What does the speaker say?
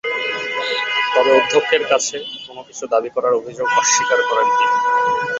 তবে অধ্যক্ষের কাছে কোনো কিছু দাবি করার অভিযোগ অস্বীকার করেন তিনি।